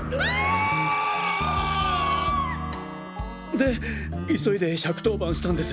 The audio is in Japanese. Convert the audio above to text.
で急いで１１０番したんです。